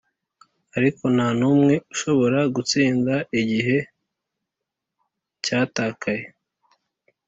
ariko ntanumwe ushobora gutsinda igihe cyatakaye.